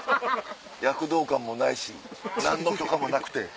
躍動感もないし何の許可もなくて。